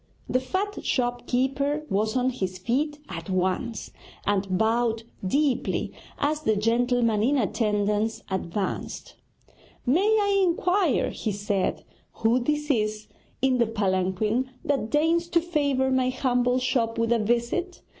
The fat shop keeper was on his feet at once, and bowed deeply as the gentleman in attendance advanced. 'May I inquire,' he said, 'who this is in the palanquin that deigns to favour my humble shop with a visit?